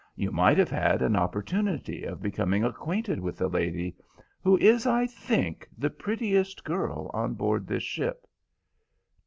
You might have had an opportunity of becoming acquainted with the lady, who is, I think, the prettiest girl on board this ship."